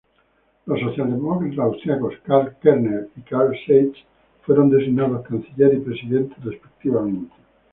Los socialdemócratas austríacos Karl Renner y Karl Seitz, fueron designados canciller y presidente, respectivamente.